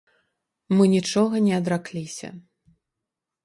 Мы нічога не адракліся.